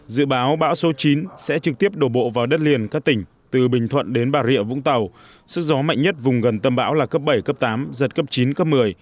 dự báo bão số chín sẽ trực tiếp đổ bộ vào đất liền các tỉnh từ bình thuận đến bà rịa vũng tàu sức gió mạnh nhất vùng gần tâm bão là cấp bảy cấp tám giật cấp chín cấp một mươi